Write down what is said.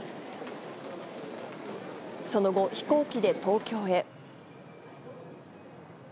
その後、飛行機で東京へ。